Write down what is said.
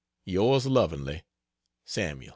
Yours lovingly, SAML.